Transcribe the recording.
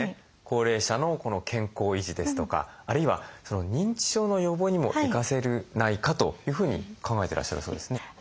高齢者の健康維持ですとかあるいは認知症の予防にも生かせないかというふうに考えてらっしゃるそうですね。